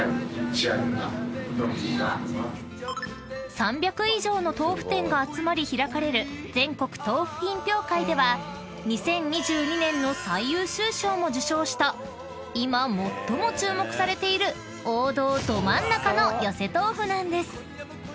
［３００以上の豆腐店が集まり開かれる全国豆腐品評会では２０２２年の最優秀賞も受賞した今最も注目されている王道ど真ん中のよせとうふなんです］